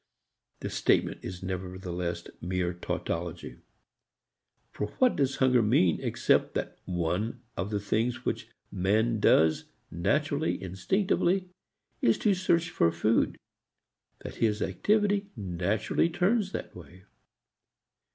The statement is nevertheless mere tautology. For what does hunger mean except that one of the things which man does naturally, instinctively, is to search for food that his activity naturally turns that way?